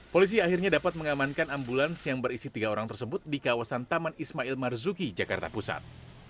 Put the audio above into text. polisi akhirnya dapat mengamankan ambulans yang berisi tiga orang tersebut di kawasan taman ismail marzuki jakarta pusat